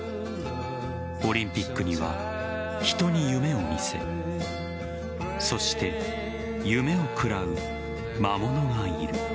オリンピックには、人に夢を見せそして夢を食らう魔物がいる。